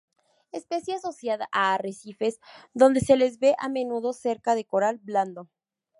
Especie asociada a arrecifes, donde se les ve a menudo cerca de coral blando.